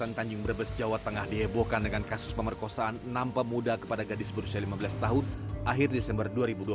korban tanjung brebes jawa tengah dihebohkan dengan kasus pemerkosaan enam pemuda kepada gadis berusia lima belas tahun akhir desember dua ribu dua puluh